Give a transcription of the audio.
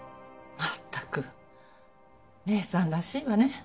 まったく姉さんらしいわね。